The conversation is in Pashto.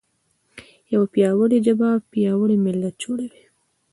یوه پیاوړې ژبه پیاوړی ملت جوړوي.